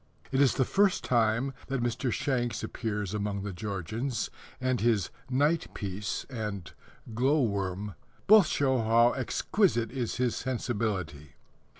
It is the first time that Mr. Shanks appears among the Georgians, and his Night Piece and Glow worm both show how exquisite is his sensibility.